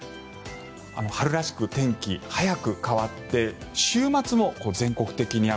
春らしく天気、早く変わって週末も全国的に雨。